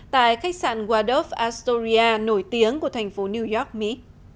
tại khách sạn waduv astoria nổi tiếng của thành phố new york mỹ